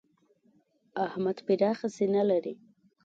احمد پراخه سینه لري.